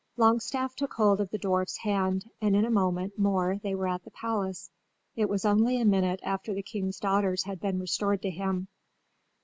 Longstaff took hold of the dwarf's hand and in a moment more they were at the palace. It was only a minute after the king's daughters had been restored to him.